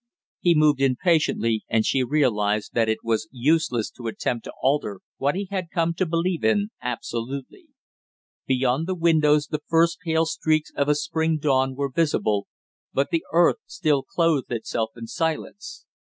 He moved impatiently, and she realized that it was useless to attempt to alter what he had come to believe in absolutely. Beyond the windows the first pale streaks of a spring dawn were visible, but the earth still clothed itself in silence.